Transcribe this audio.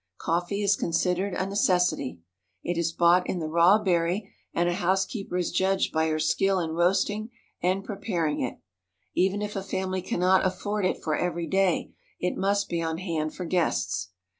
Coffee is considered a necessity. It is bought in the raw berry and a housekeeper is judged by her skill in roasting and preparing it. Even if a family cannot afford it for every day it must be on hand for guests.